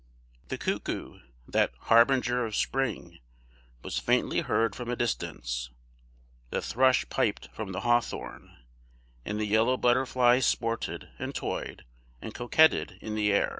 The cuckoo, that "harbinger of spring," was faintly heard from a distance; the thrush piped from the hawthorn, and the yellow butterflies sported, and toyed, and coquetted in the air.